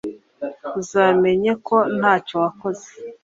uzamenye ko ntacyo wakoze.